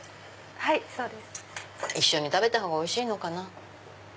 はいそうです。一緒に食べたほうがおいしいのかな。